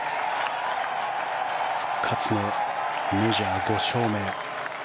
復活のメジャー５勝目。